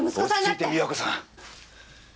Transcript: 落ち着いて美和子さん。